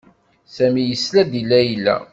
Sami yesla-d i Layla.